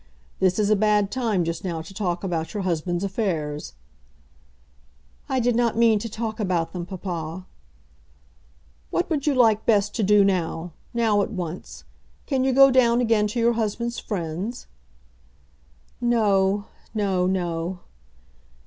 This is a bad time just now to talk about your husband's affairs." "I did not mean to talk about them, papa." "What would you like best to do now, now at once. Can you go down again to your husband's friends?" "No; no; no."